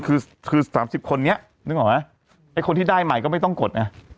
คือคือ๓๐คนนี้นึกออกไหมไอ้คนที่ได้ใหม่ก็ไม่ต้องกดนะ